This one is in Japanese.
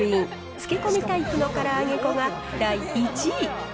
漬け込みタイプのから揚げ粉が第１位。